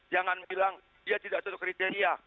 jangan bilang dia tidak satu kriteria